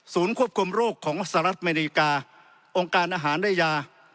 ควบคุมโรคของสหรัฐอเมริกาองค์การอาหารและยา